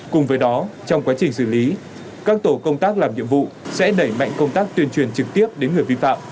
cùng với đó trong quá trình xử lý các tổ công tác làm nhiệm vụ sẽ đẩy mạnh công tác tuyên truyền trực tiếp đến người vi phạm